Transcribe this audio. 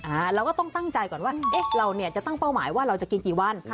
เราก็ต้องตั้งใจก่อนว่าเอ๊ะเราเนี่ยจะตั้งเป้าหมายว่าเราจะกินกี่วัน